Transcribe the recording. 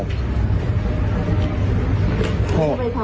พี่เข้าไปทำทำไม